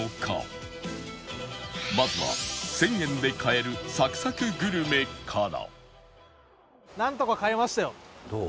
まずは１０００円で買えるサクサクグルメから